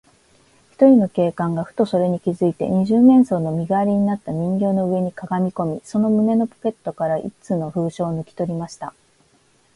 ひとりの警官が、ふとそれに気づいて、二十面相の身がわりになった人形の上にかがみこみ、その胸のポケットから一通の封書をぬきとりました。